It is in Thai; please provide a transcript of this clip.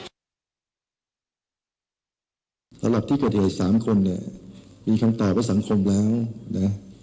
สำหรับที่เกิดเหตุสามคนเนี่ยมีคำตอบว่าสังคมแล้วนะ